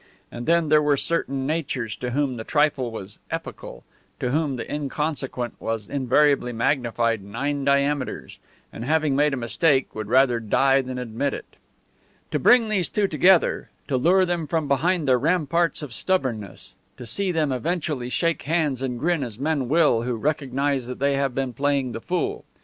And then there were certain natures to whom the trifle was epical; to whom the inconsequent was invariably magnified nine diameters; and having made a mistake, would die rather than admit it. To bring these two together, to lure them from behind their ramparts of stubbornness, to see them eventually shake hands and grin as men will who recognize that they have been playing the fool!